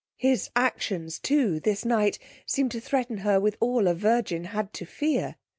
His actions too, this night, seem'd to threaten her with all a virgin had to fear.